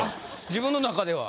自分の中では？